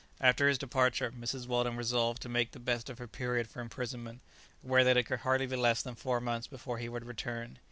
After his departure, Mrs. Weldon resolved to make the best of her period of imprisonment, aware that it could hardly be less than four months before he would return.